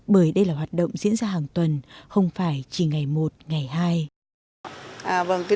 bởi đây là hoạt động diễn ra hàng tuần không phải chỉ ngày một ngày hai